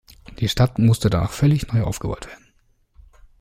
Die Stadt musste danach völlig neu aufgebaut werden.